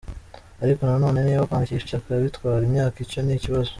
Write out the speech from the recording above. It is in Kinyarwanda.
Ariko na none niba kwandikisha ishyaka bitwara imyaka, icyo ni ikibazo.